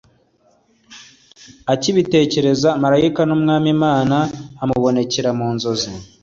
Akibitekereza, marayika w’Umwami Imana amubonekera mu nzozi